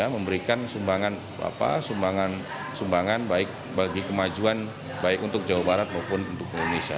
memberikan sumbangan baik bagi kemajuan baik untuk jawa barat maupun untuk indonesia